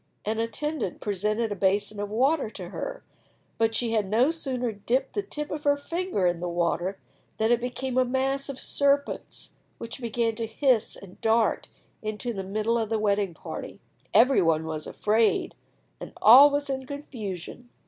An attendant presented a basin of water to her, but she had no sooner dipped the tip of her finger in the water than it became a mass of serpents, which began to hiss and dart into the middle of the wedding party. Every one was afraid, and all was in confusion.